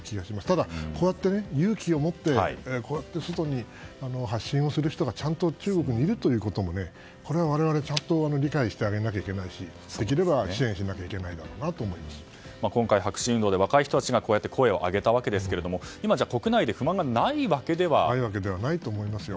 ただ、こうやって勇気をもって外に発信をする人がちゃんと中国にいるということもこれは我々理解してあげなきゃいけないしできれば支援しなきゃ今回、白紙運動で若い人たちがこうやって声を上げたわけですがないと思いますよ。